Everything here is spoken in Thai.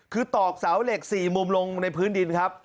คือตอกเสาเหล็ก๔มุมลงในพื้นดินครับ